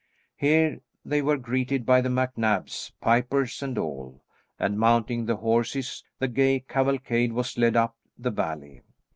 Here they were greeted by the MacNabs, pipers and all, and mounting the horses the gay cavalcade was led up the valley.